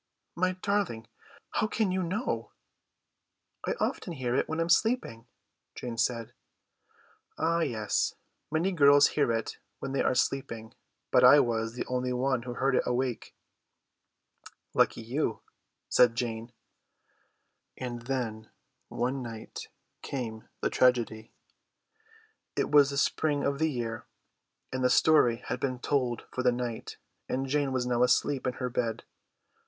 "My darling, how can you know?" "I often hear it when I am sleeping," Jane said. "Ah yes, many girls hear it when they are sleeping, but I was the only one who heard it awake." "Lucky you," said Jane. And then one night came the tragedy. It was the spring of the year, and the story had been told for the night, and Jane was now asleep in her bed.